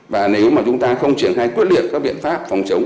và nếu mà chúng ta không triển khai quyết liệt các biện pháp phòng chống